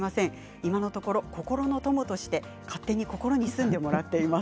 今のところ心の友として勝手に心に住んでもらっています。